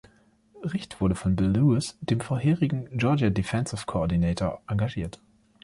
Richt wurde von Bill Lewis, dem vorherigen Georgia Defensive Coordinator engagiert.